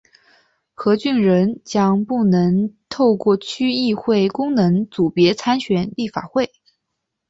何俊仁将不能透过区议会功能组别参选立法会。